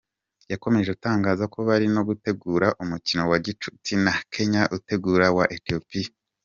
Yakomeje atangaza ko bari no gutegura umukino wa gicuti na Kenya utegura uwa Ethiopie.